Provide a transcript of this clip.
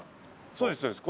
そうですそうです。